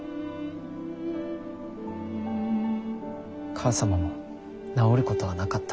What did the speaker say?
母さまも治ることはなかった。